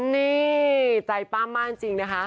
นี่ใจปั้มมากจริงนะคะ